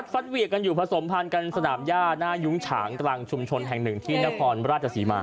เหวี่ยกันอยู่ผสมพันธ์กันสนามย่าหน้ายุ้งฉางกลางชุมชนแห่งหนึ่งที่นครราชสีมา